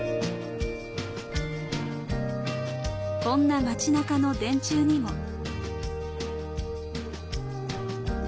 こんな街中の電柱にも。